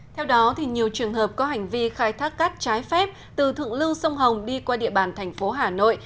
theo đó nhiều trường hợp có hành vi khai thác cát trái phép từ thượng lưu sông hồng đi qua địa bàn thành phố hà nội